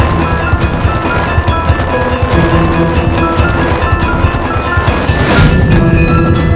saya benar benar tidak akan menang